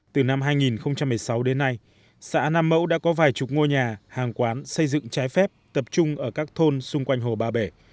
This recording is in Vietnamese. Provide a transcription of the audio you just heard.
từ năm hai nghìn một mươi sáu đến nay xã nam mẫu đã có vài chục ngôi nhà hàng quán xây dựng trái phép tập trung ở các thôn xung quanh hồ ba bể